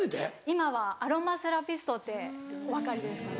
今はアロマセラピストってお分かりですかね。